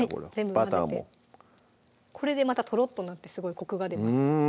バターもこれでまたとろっとなってすごいコクが出ます